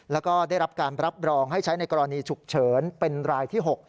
แล้วก็ได้รับการรับรองให้ใช้ในกรณีฉุกเฉินเป็นรายที่๖